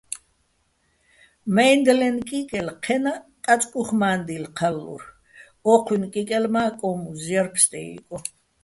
მაჲნდლენ კიკელ ჴენაჸ, კაწკუ́ხ მა́ნდილ ჴალლურ, ო́ჴუჲნ კიკელ მა́ კო́მუზ ჲარ ფსტე́იგო.